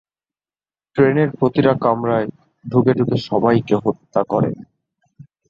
ট্রেনের প্রতিটা কামরায় ঢুকে ঢুকে সবাইকে হত্যা করে।